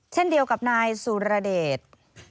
เช่นเดียวกับนายสุรเดช